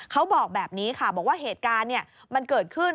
เขาบอกแบบนี้ค่ะบอกว่าเหตุการณ์มันเกิดขึ้น